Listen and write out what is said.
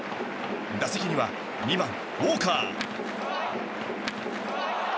打席には２番、ウォーカー。